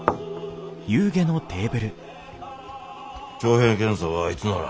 徴兵検査はいつなら？